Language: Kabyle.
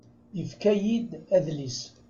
Ifka-yi-d adlis.